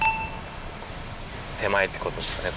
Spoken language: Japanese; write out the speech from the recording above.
手前ってことですかね